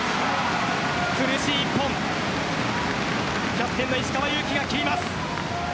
苦しい１本キャプテンの石川祐希が切ります。